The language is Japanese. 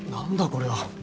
これは。